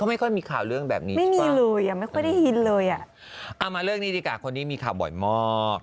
ไม่มีเลยยังไม่ค่อยได้ยินเลยอ่ะเอามาเลือกนี้ดีกว่าคนนี้มีข่าวบ่อยมาก